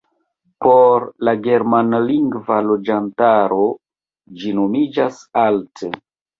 Por la germanlingva loĝantaro ĝi nomiĝas "Alt".